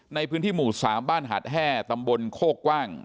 ในพื้นที่หมู่๓บ้านหาดแห้ตำบลโคกกว้าง